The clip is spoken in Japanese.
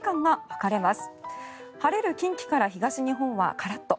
晴れる近畿から東日本はカラッと。